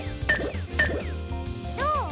どう？